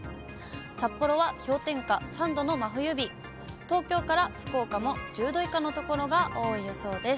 札幌は氷点下３度の真冬日、東京から福岡も１０度以下の所が多い予想です。